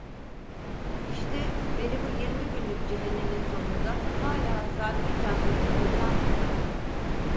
İşte, beni bu yirmi günlük cehennemin sonunda hala zangır zangır titreten bu…